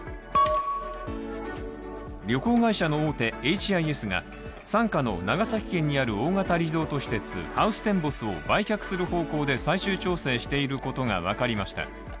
旅行会社の大手エイチ・アイ・エスが傘下の長崎県にある大型リゾート施設ハウステンボスを売却する方向で最終調整していることが分かりました。